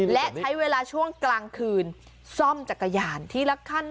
และใช้เวลาช่วงกลางคืนซ่อมจักรยานทีละขั้น